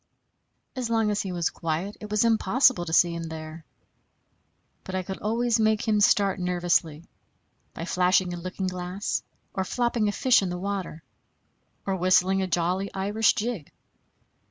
As long as he was quiet, it was impossible to see him there; but I could always make him start nervously by flashing a looking glass, or flopping a fish in the water, or whistling a jolly Irish jig.